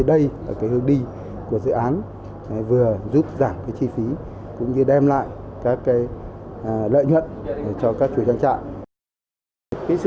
đây là hướng đi của dự án vừa giúp giảm chi phí cũng như đem lại các lợi nhuận cho các chủ trang trại